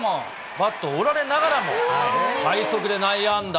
バットを折られながらも快速で内野安打。